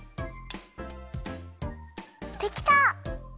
できた！